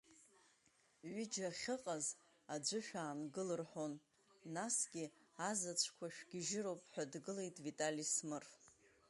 Ҩыџьа ахьыҟаз аӡәы шәаангыл рҳәон, насгьы азаҵәқәа шәгьежьыроуп, ҳәа дгылеит Витали Смыр.